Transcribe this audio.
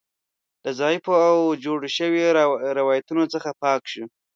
له ضعیفو او جوړو شویو روایتونو څخه پاک شو.